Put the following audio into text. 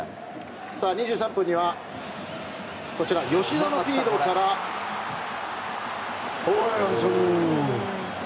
２３分にはこちら、吉田のフィードから浅野。